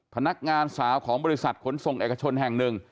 พนักงานสาวของบริษัทขนส่งเอกชนแห่งหนึ่ง